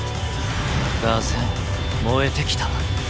がぜん燃えてきた。